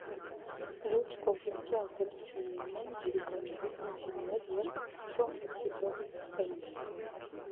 Լուրջ կողմնակի ազդեցություններն են երիկամների խնդիրները և թրոմբոցիտոպենիան։